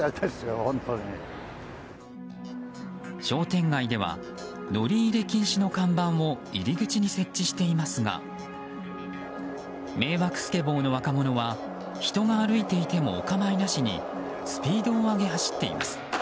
商店街では乗り入れ禁止の看板を入り口に設置していますが迷惑スケボーの若者は人が歩いていてもお構いなしにスピードを上げ、走っています。